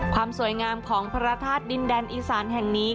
ความสวยงามของพระธาตุดินแดนอีสานแห่งนี้